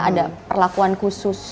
ada perlakuan khusus